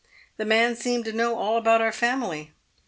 The man seemed to know all about our family.